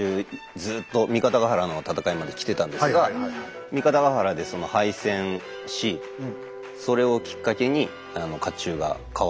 ずっと「三方ヶ原の戦い」まで着てたんですが三方ヶ原でその敗戦しそれをきっかけに甲冑が変わっていくという。